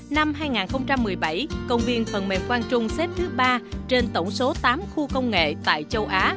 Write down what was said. năm hai nghìn một mươi bảy công viên phần mềm quang trung xếp thứ ba trên tổng số tám khu công nghệ tại châu á